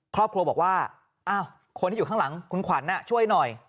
ครอบครัวบอกว่าคนที่อยู่ข้างหลังคุณขวัญช่วยหน่อย